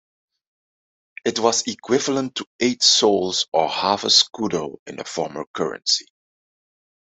It was equivalent to eight "soles" or half a "scudo" in the former currency.